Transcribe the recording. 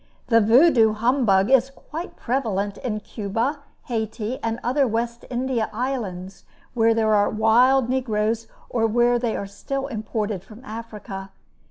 The Vaudoux humbug is quite prevalent in Cuba, Hayti, and other West India islands, where there are wild negroes, or where they are still imported from Africa.